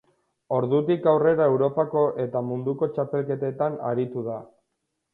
Ordutik aurrera Europako eta Munduko txapelketetan aritu da.